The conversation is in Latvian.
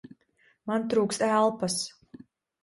Man trūkst elpas!